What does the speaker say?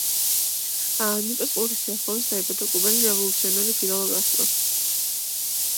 ნიპეს ყურის სიახლოვეს დაიბადა კუბელი რევოლუციონერი ფიდელ კასტრო.